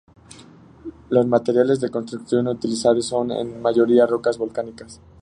Los materiales de construcción utilizados son en su mayoría rocas volcánicas.